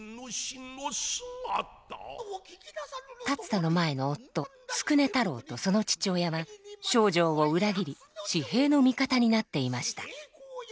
立田前の夫宿禰太郎とその父親は丞相を裏切り時平の味方になっていました。